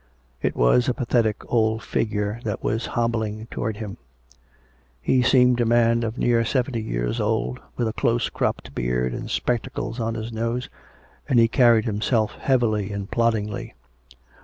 It was a pathetic old figure that was hobbling towards him. He seemed a man of near seventy years old, with a close cropped beard and spectacles on his nose, and he carried himself heavily and ploddingly.